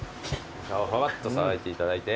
イカをパパッとさばいていただいて。